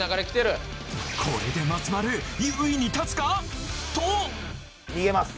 これで松丸優位に立つか！？と逃げます。